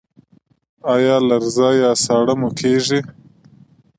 ایا لرزه یا ساړه مو کیږي؟